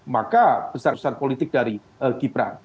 maka besar besar politik dari gibran